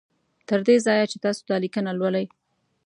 تر دې ځایه چې تاسو دا لیکنه لولی